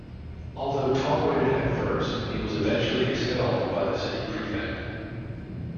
Although tolerated at first, he was eventually expelled by the City Prefect.